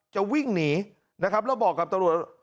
จะวิ่งหนีนะครับแล้วบอกกับตำรวจ